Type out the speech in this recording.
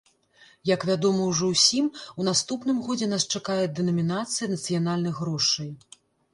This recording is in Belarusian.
Як вядома ўжо ўсім, у наступным годзе нас чакае дэнамінацыя нацыянальных грошай.